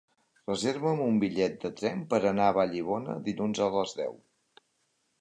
Reserva'm un bitllet de tren per anar a Vallibona dilluns a les deu.